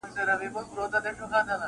له مکتبه له مُلا يې ستنولم-